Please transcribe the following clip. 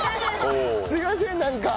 すみませんなんか。